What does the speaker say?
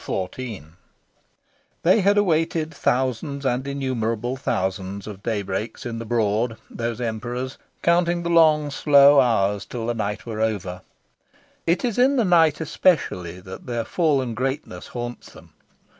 XIV They had awaited thousands and innumerable thousands of daybreaks in the Broad, these Emperors, counting the long slow hours till the night were over. It is in the night especially that their fallen greatness haunts them.